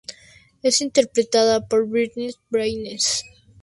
Es interpretada por Brittany Byrnes.